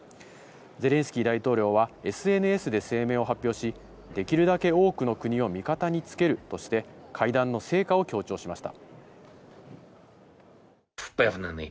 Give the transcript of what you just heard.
ゼレンスキー大統領はＳＮＳで声明を発表し、できるだけ多くの国を味方につけるとして、会談の成果を強調しました。